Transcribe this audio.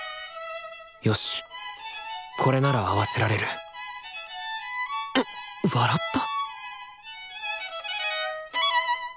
よしこれなら合わせられる笑った？